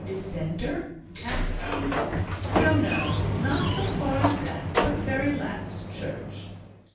"Dissenter?" asked he. "No, no! Not so far as that. But very lax Church."